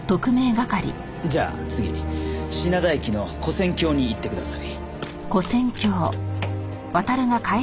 じゃあ次品田駅の跨線橋に行ってください。